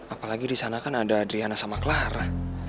apalagi di sana kan ada adriana sama clara